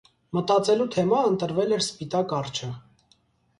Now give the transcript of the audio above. Մտածելու թեմա ընտրվել էր սպիտակ արջը։